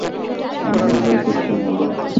আমারও ভয় করছে, মলি।